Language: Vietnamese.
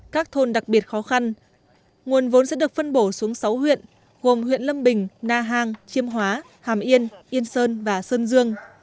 các thôn đặc biệt khó khăn nguồn vốn sẽ được phân bổ xuống sáu huyện gồm huyện lâm bình na hàng chiêm hóa hàm yên yên sơn và sơn dương